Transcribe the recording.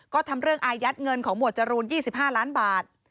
ก็ทำเรื่องอายัดเงินของหมวดจรูน๒๕ล้านบาท